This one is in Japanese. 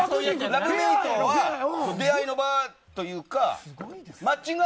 ラブメイトは出会いの場というかマッチング